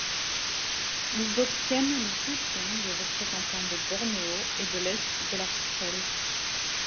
Ils obtiennent le soutien des représentants de Bornéo et de l'est de l'archipel.